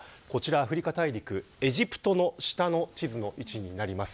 アフリカ大陸エジプトの下の地図の位置になります。